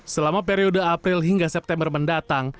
selama periode april hingga september mendatang